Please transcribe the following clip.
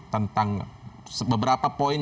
tentang beberapa poin